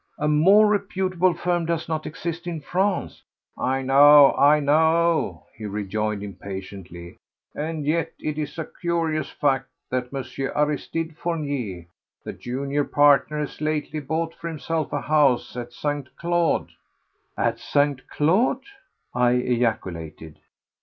A more reputable firm does not exist in France." "I know, I know," he rejoined impatiently. "And yet it is a curious fact that M. Aristide Fournier, the junior partner, has lately bought for himself a house at St. Claude." "At St. Claude?" I ejaculated.